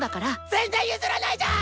・全然譲らないじゃん！